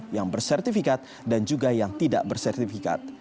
yang bersertifikat dan juga yang tidak bersertifikat